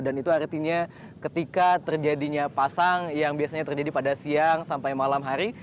dan itu artinya ketika terjadinya pasang yang biasanya terjadi pada siang sampai malam hari